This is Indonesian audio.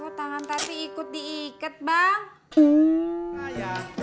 oh tangan tadi ikut diikat bang